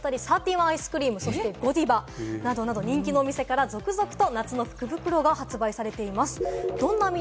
見てみますと、タリーズだったり、サーティワンアイスクリーム、そしてゴディバ、人気のお店から続々と夏の福袋が発売されています。